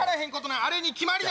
あれに決まりよ！